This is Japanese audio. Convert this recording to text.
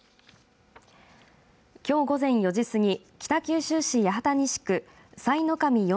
きょう午前４時過ぎ北九州市八幡西区幸神４